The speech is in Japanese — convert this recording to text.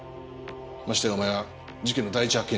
ましてやお前は事件の第一発見者だ。